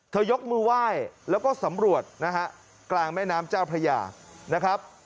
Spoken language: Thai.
ยกมือไหว้แล้วก็สำรวจนะฮะกลางแม่น้ำเจ้าพระยานะครับ